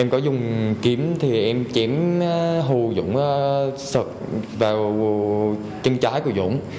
có dũng kiếm thì em chém hù dũng sợt vào chân trái của dũng